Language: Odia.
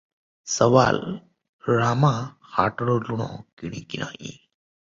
ସୱାଲ - ରାମା ହାଟରୁ ଲୁଣ କିଣେ କି ନାହିଁ?